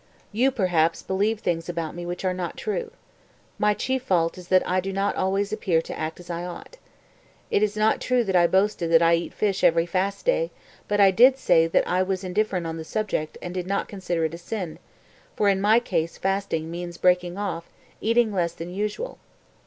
You, perhaps, believe things about me which are not true. My chief fault is that I do not always appear to act as I ought. It is not true that I boasted that I eat fish every fast day; but I did say that I was indifferent on the subject and did not consider it a sin, for in my case fasting means breaking off, eating less than usual.